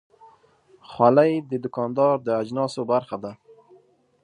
خولۍ د دوکاندار د اجناسو برخه ده.